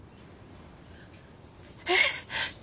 えっ！？